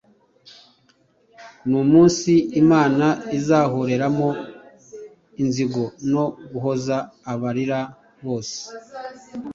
n’umunsi Imana izahoreramo inzigo, no guhoza abarira bose